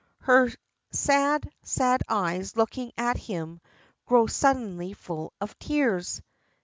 Her sad, sad eyes, looking at him, grow suddenly full of tears.